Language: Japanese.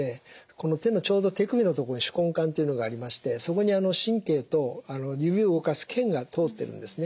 この手のちょうど手首の所手根管というのがありましてそこに神経と指を動かす腱が通ってるんですね。